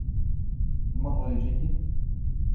هل مظهري جيد؟